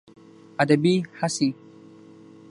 ادبي هڅې